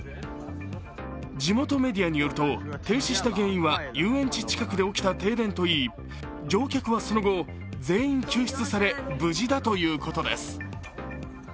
地元メディアによると、停止した原因は遊園地近くで起きた停電といい乗客はその後、全員救出され無事だということです。